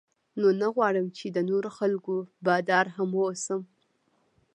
نو نه غواړم چې د نورو خلکو بادار هم واوسم.